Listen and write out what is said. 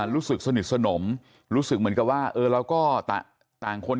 รู้สึกสนิทสนมรู้สึกเหมือนกับว่าเออเราก็ต่างคน